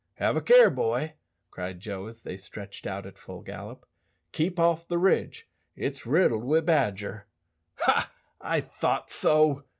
"Have a care, boy," cried Joe, as they stretched out at full gallop. "Keep off the ridge; it's riddled wi' badger Ha! I thought so."